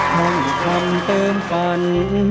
ให้อีกคำเติมฝัน